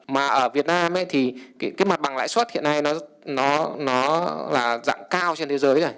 mà ở việt nam thì cái mặt bằng lãi suất hiện nay nó là dạng cao trên thế giới rồi